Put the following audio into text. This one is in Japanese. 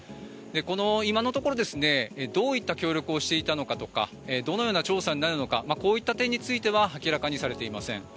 今のところどういった協力をしていたのかとかどのような調査になるのかなどこういった点については明らかにされていません。